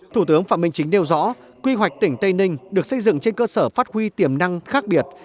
thủ tướng phạm minh chính nêu rõ quy hoạch tỉnh tây ninh được xây dựng trên cơ sở phát huy tiềm năng khác biệt